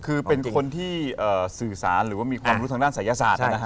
คือเป็นคนที่สื่อสารหรือว่ามีความรู้ทางด้านศัยศาสตร์